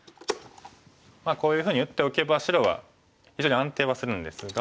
こういうふうに打っておけば白は非常に安定はするんですが。